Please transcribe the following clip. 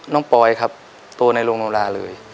ปอยครับโตในโรงโนราเลย